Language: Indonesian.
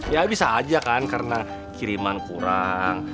ya bisa aja kan karena kiriman kurang